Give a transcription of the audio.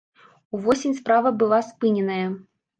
Увосень справа была спыненая.